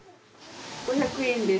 ５００円です。